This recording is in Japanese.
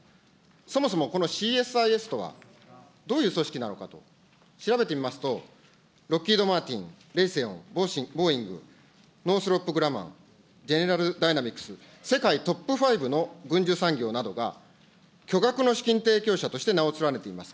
そもそもこのＣＳＩＳとはどういう組織なのかと調べてみますと、ロッキード・マーティン、、ボーイング、ノースロップグラマー、ジェネラルダイナミックス、世界トップ５の軍需産業などが巨額の資金提供者として名を連ねています。